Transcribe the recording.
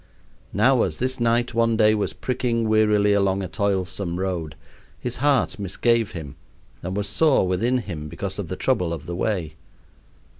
Now, as this knight one day was pricking wearily along a toilsome road, his heart misgave him and was sore within him because of the trouble of the way.